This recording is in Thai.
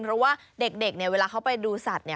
เพราะว่าเด็กเนี่ยเวลาเขาไปดูสัตว์